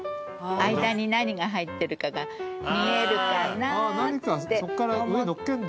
間に何が入ってるかが見えるかなって思って。